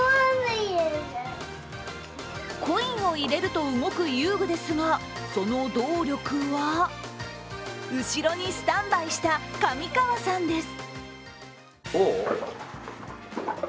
コインを入れると動く遊具ですがその動力は後ろにスタンバイした、上川さんです。